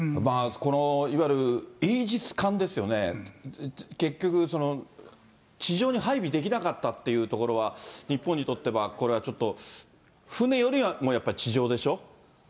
このいわゆるイージス艦ですよね、結局、地上に配備できなかったというところは、日本にとっては、これは船よりはやっぱり地上でしょ。